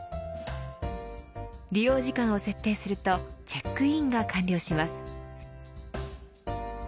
利用時間を設定するとチェックインが完了します。